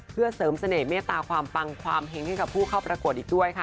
เพื่อเสริมเสน่หมตาความปังความเห็งให้กับผู้เข้าประกวดอีกด้วยค่ะ